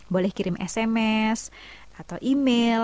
boleh kirim sms atau email